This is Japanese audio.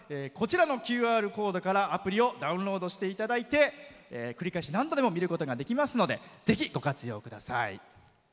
ＱＲコードからアプリをダウンロードしていただいて繰り返し、何度でも見ることができますのでぜひご活用ください。